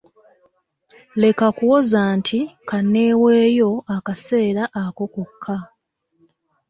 Leka kuwoza nti kanneeeweeyo akaseera ako kokka.